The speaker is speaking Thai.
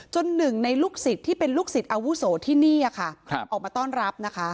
หนึ่งในลูกศิษย์ที่เป็นลูกศิษย์อาวุโสที่นี่ค่ะออกมาต้อนรับนะคะ